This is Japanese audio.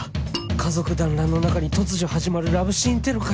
家族だんらんの中に突如始まるラブシーンテロかよ